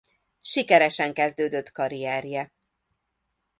Sikeresen kezdődött karrierje.